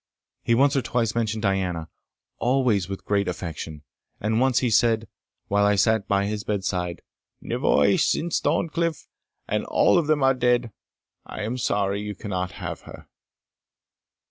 He once or twice mentioned Diana, always with great affection; and once he said, while I sate by his bedside "Nevoy, since Thorncliff and all of them are dead, I am sorry you cannot have her."